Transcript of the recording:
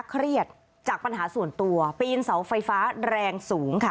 เครียดจากปัญหาส่วนตัวปีนเสาไฟฟ้าแรงสูงค่ะ